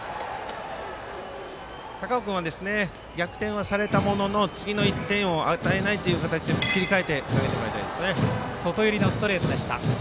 高尾君は逆転はされたものの次の１点を与えないという形に切り替えて投げてもらいたいです。